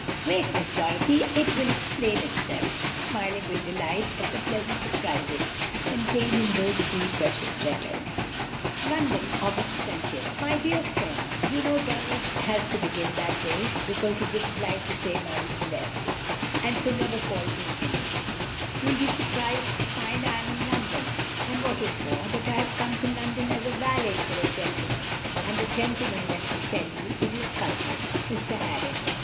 "Wait, Miss Dorothy; it will explain itself," smiling with delight at the pleasant surprises contained in those three precious letters. "'London, August 20th. My dear friend' (you know, Donald has to begin that way, because he didn't like to say Marie Celeste, and so never called me anything), 'you will be surprised to find I am in London, and, what is more, that I have come up to London as a valet for a gentleman, and the gentleman, let me tell you, is your cousin, Mr. Harris.